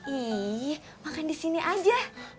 ih makan di sini aja